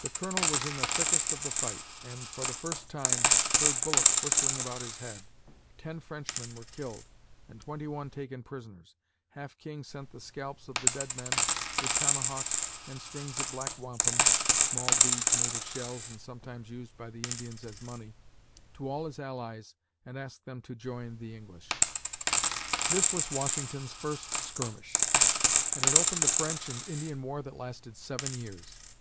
The Colonel was in the thickest of the fight and, for the first time, heard bullets whistling about his head. Ten Frenchmen were killed and twenty one taken prisoners. Half King sent the scalps of the dead men, with tomahawks and strings of black wampum (small beads made of shells and sometimes used by the Indians as money), to all his allies and asked them to join the English. This was Washington's first skirmish and it opened the French and Indian War that lasted seven years.